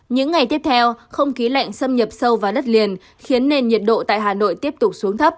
những ngày tiếp theo không khí lạnh xâm nhập sâu vào đất liền khiến nền nhiệt độ tại hà nội tiếp tục xuống thấp